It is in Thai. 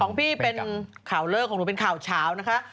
ของพี่เป็นข่าวเลิกของหนูเป็นข่าวเฉานะคะ